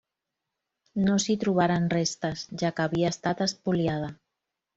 No s'hi trobaren restes, ja que havia estat espoliada.